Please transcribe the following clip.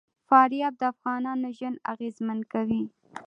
فاریاب د افغانانو ژوند اغېزمن کوي.